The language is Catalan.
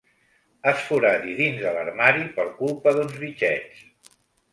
Es foradi dins de l'armari per culpa d'uns bitxets.